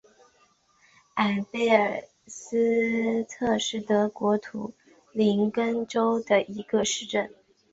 埃贝尔斯特是德国图林根州的一个市镇。